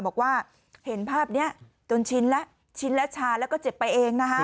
บอกว่าเห็นภาพนี้จนชิ้นแล้วชิ้นและชาแล้วก็เจ็บไปเองนะฮะ